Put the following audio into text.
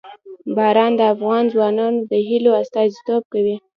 باران د افغان ځوانانو د هیلو استازیتوب کوي.